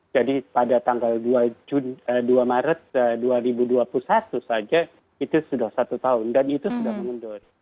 jadi pada tanggal dua maret dua ribu dua puluh satu saja itu sudah satu tahun dan itu sudah mengendur